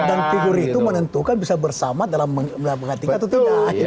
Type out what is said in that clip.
dan figur itu menentukan bisa bersama dalam berapa tingkat atau tidak